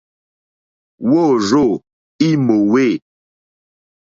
Wôrzô í mòwê.